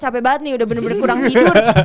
capek banget nih udah bener bener kurang tidur